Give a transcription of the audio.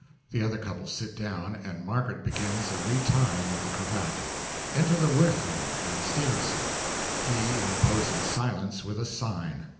(The other couple sit down, and MARGARET begins a retying of the cravat. Enter the WIRTHIN and STEPHENSON, he imposing silence with a sign.)